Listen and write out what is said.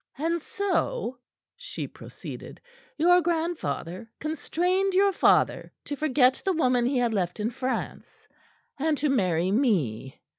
"And so," she proceeded, "your grandfather constrained your father to forget the woman he had left in France, and to marry me.